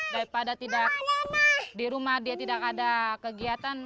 daripada tidak di rumah dia tidak ada kegiatan